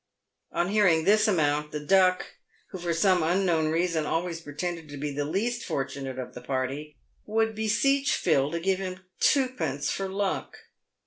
On hearing this amount, the Duck, who for some unknown reason always pretended to be the least fortunate of the party, would beseech Phil to give him twopence for luck.